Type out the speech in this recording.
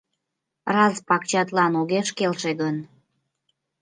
Раз пакчатлан огеш келше гын